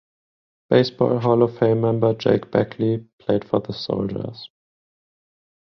Baseball Hall of Fame member Jake Beckley played for the Soldiers.